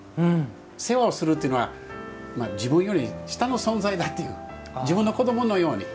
世話をするというのは自分より下の存在だという自分の子どものように。